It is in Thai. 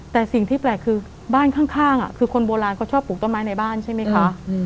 แต่สิ่งที่แปลกคือบ้านข้างคือคนโบราณเขาชอบปลูกต้นไม้ในบ้านใช่ไหมคะ